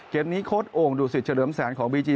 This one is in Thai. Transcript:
เกมนี้โค้ดโอ่งดูสิตเฉลิมแสนของบีจี